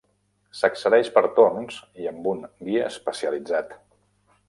S'accedeix per torns i amb un guia especialitzat.